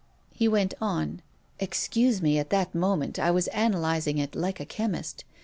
He went on: "Excuse me, at that moment, I was analyzing it like a chemist.